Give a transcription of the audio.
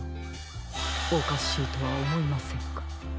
おかしいとはおもいませんか？